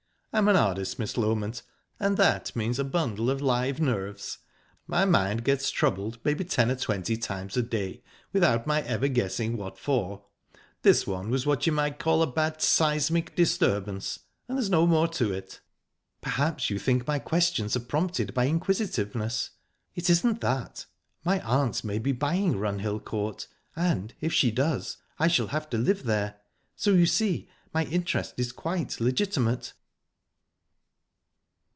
...I'm an artist, Miss Loment, and that means a bundle of live nerves. My mind gets troubled maybe ten or twenty times a day, without my ever guessing what for. This one was what you might call a bad 'seismic disturbance,' and there's no more to it." "Perhaps you think my questions are prompted by inquisitiveness? It isn't that. My aunt may be buying Runhill Court, and, if she does, I shall have to live there; so you see my interest is quite legitimate."